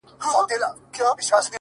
وهر يو رگ ته يې د ميني کليمه وښايه!